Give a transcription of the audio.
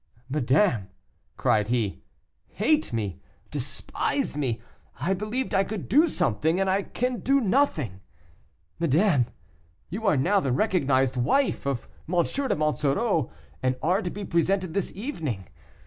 "Madame," cried he, "hate me, despise me; I believed I could do something and I can do nothing. Madame, you are now the recognized wife of M. de Monsoreau, and are to be presented this evening.